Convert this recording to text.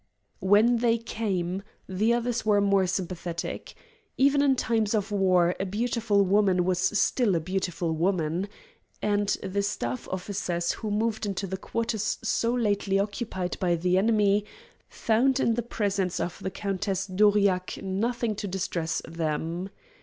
When they came, the others were more sympathetic. Even in times of war a beautiful woman is still a beautiful woman. And the staff officers who moved into the quarters so lately occupied by the enemy found in the presence of the Countess d'Aurillac nothing to distress them.